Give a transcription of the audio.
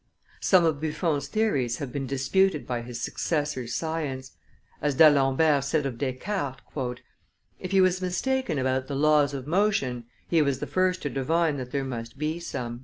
Some of Buffon's theories have been disputed by his successors' science; as D'Alembert said of Descartes: "If he was mistaken about the laws of motion, he was the first to divine that there must be some."